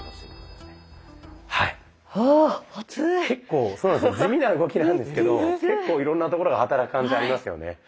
結構そうなんですよ地味な動きなんですけど結構いろんなところが働く感じありますよね。